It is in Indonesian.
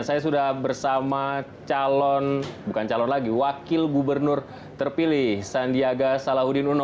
saya sudah bersama calon bukan calon lagi wakil gubernur terpilih sandiaga salahuddin uno